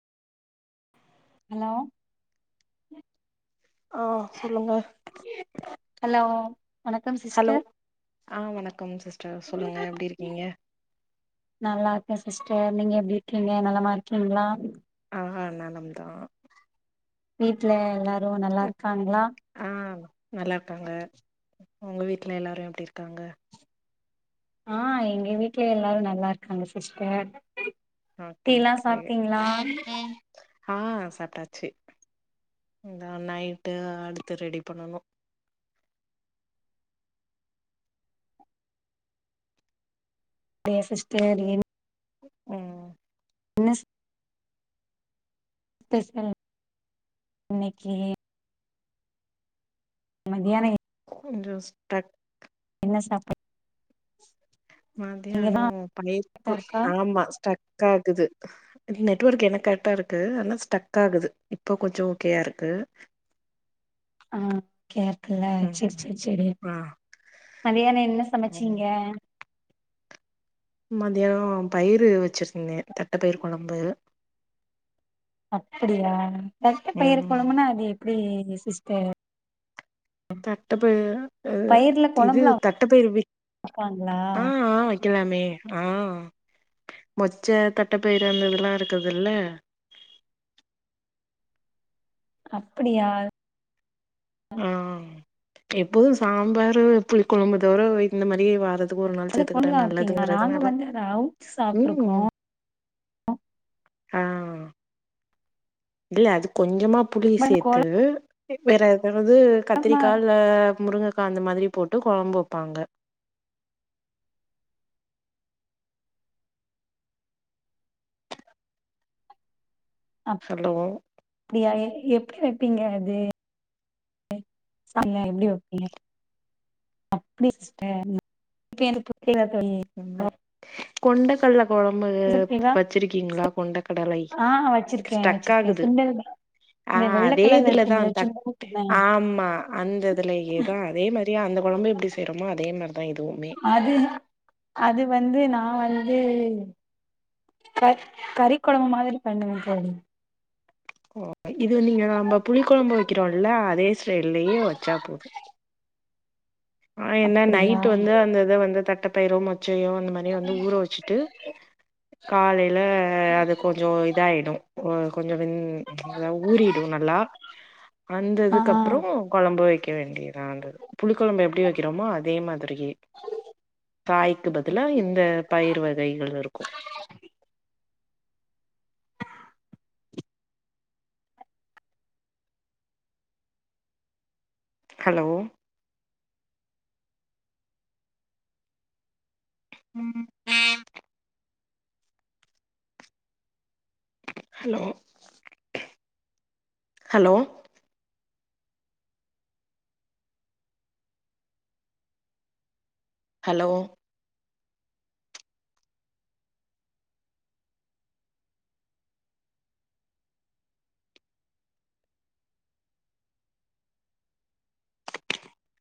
hello ஆ சொல்லுங்க hello வணக்கம் ஹலோ சிஸ்டர் ஆ வணக்கம் சிஸ்டர் சொல்லுங்க எப்டி இருக்கீங்க நல்லா இருக்க சிஸ்டர் நீங்க எப்டி இருக்கீங்க நலமா இருக்கீங்களா ஆ ஆ நலம்தா வீட்ல எல்லாரு நல்லா இருக்காங்களா நல்லாருக்காங்க உங்க வீட்ல எல்லாரும் எப்டி இருக்காங்க ஆ எங்க வீட்ல எல்லாரு நல்லா இருக்காங்க சிஸ்டர் ஓகே டீல்லா ஓகே சாப்டீங்களா ஆ சாப்டாச்சு அதா நைட்டு அடுத்து ரெடி பண்ணனும் அப்டியா சிஸ்டர் என் ம் என்ன ஸ் டிஃபன் இன்னிக்கி மதியான கொஞ்சோ ஸ்டக் என்ன சாப் மத்தியான பன்னீர் கோ இருக்கா ஆமா ஸ்டக் ஆகுது நெட்வர்க் எனக் கரெக்டா இருக்கு ஆனா ஸ்டக் ஆகுது இப்ப கொஞ்ச ஓகேயா இருக்கு ஆ கேக்கல சரி ம் சரி சரி ஆ மதியான என்ன ம் சமச்சீங்க மதியானோ பயிரு வச்சிருந்தே தட்ட பயிர் கொழம்பு அப்படியா தட்ட பயிர் ம் கொழம்புனா அது எப்டி சிஸ்டர் தட்ட பயிர்ல பயி இது கொழம்புலா தட்ட பயிரு விக் வப்பாங்களா ஆ ஆம வக்கலாமே ஆ மொச்ச தட்ட பயிர் அந்த துல்லா இருக்குதுல்ல அப்படியா ஆ எப்போது சாம்பாரு புளி கொழம்பு தவிர இந்த மாரி வாரத் க்கு ஒரு நாள் அதுல சேத்துக்கிட்டா கொழம்புலா வப்பீங்களா நாங்க நல்லதுங்குறதுனால வந்து அத அவுச்சு சாப்ட்ருக்கோ ம் ஆ இல்ல அது கொஞ்சமா புளிய பட் சேத்து வேற அதென்னது கொழம்பா கத்திரிக்கால முருங்கக்கா அந்த மாதிரி போட்டு கொழம்பு வப்பாங்க சாப்டுவோ அப்டியா எப்டி வெப்பீங்க அது சாய்ன எப்டி வப்பீங்க அப்டி சிஸ்டர் இப்ப எனக் [inaudible] தோழி ம் கொண்ட கட்ல கொழம்பு இப்ப புரியுதா வச்சிருக்கீங்ளா கொண்ட கடலை ஆ வச்சிருக்கே ஸ்டக் வச்சிருக்கே ஆகுது சுண்டல் ஆ இந்த வெள்ள அதே கலர்ல இதுலதா இருக்கும்ல தட் சுண்டல் தான ஆமா அந்த இதுலயே தா அதே மாரியெ அந்த கொழம்பு எப்டி செய்றோமோ அதே மாரிதா இதுவுமே அதுதா அது வந்து நா வந்து க கறி கொழம்பு மாதிரி பண்ணுவங் தோழி ஓ இது நீங்க நம்ம புளி கொழம்பு வக்கிறோல்ல அதே ஸ்டைலயே வச்சா போது ஆ என்னா அப்படியா நைட் வந்து அந்த இத வந்து தட்ட பயிரோ மொச்சையோ அந்த மாரி வந்து ஊற வச்சு ட்டு காலைல அது கொஞ்சோ இதாய்டு வ கொஞ்சொ அதா வா ஊறிடு நல்லா ஆ அந்ததுக் அப் ஆ ப்றோ கொழம்பு வெக்க வேண்டியதா அது புளி கொழம்பு எப்டி வெக்கிறோமோ அதே மாதிரி தா காய்கு பதிலா இந்த பயிர் வகைகள் இருக்கு ஹலோ ம் ஹலோ ஹலோ ஹலோ